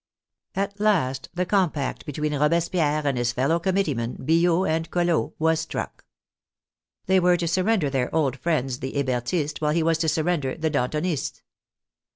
At last the compact between Robespierre and his fel low committeemen, Billaud and Collot, was struck. They were to surrender their old friends the Hebertists, while he was to surrender the Dantonists.